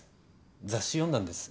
雑誌読んだんです